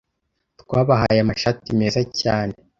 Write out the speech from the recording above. twabahaye amashati meza cyane